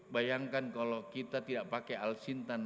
bayangkan kalau kita tidak pakai alsintan